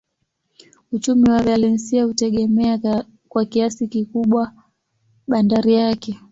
Uchumi wa Valencia hutegemea kwa kiasi kikubwa bandari yake.